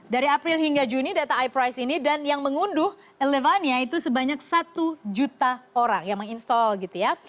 dari april hingga juni data iprise ini dan yang mengunduh elevania itu sebanyak satu juta orang yang menginstall gitu ya